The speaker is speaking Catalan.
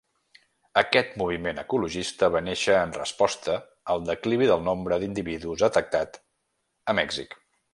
Aquest moviment ecologista va néixer en resposta al declivi del nombre d'individus detectat a Mèxic.